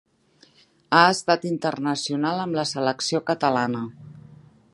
Ha estat internacional amb la selecció catalana.